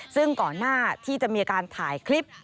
ซึ่งก่อนหน้าที่จะมีการถ่ายคลิป